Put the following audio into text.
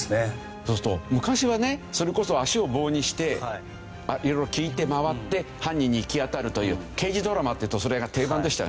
そうすると昔はねそれこそ足を棒にして色々聞いて回って犯人に行き当たるという刑事ドラマっていうとそれが定番でしたよね。